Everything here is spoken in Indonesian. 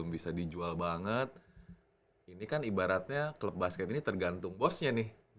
bisa dijual banget ini kan ibaratnya klub basket ini tergantung bosnya nih